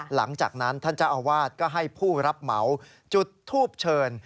หลังจากนั้นท่านเจ้าอาวาสก็ให้ผู้รับเหมาจุดทูบเชิญ